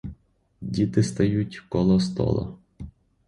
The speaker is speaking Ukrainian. Діти стають коло стола.